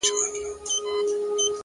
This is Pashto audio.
اوس هم زما د وجود ټوله پرهرونه وايي،